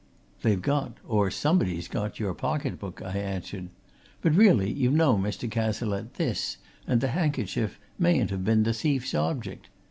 "They've got or somebody's got your pocket book," I answered. "But really, you know, Mr. Cazalette, this, and the handkerchief, mayn't have been the thief's object.